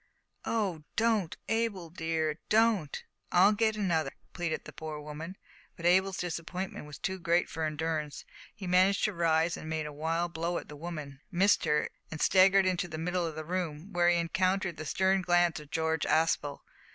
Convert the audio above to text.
"O don't, Abel dear, don't! I'll get another," pleaded the poor woman; but Abel's disappointment was too great for endurance; he managed to rise, and made a wild blow at the woman, missed her, and staggered into the middle of the room. Here he encountered the stern glance of George Aspel.